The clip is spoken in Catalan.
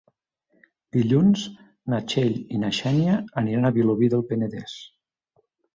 Dilluns na Txell i na Xènia aniran a Vilobí del Penedès.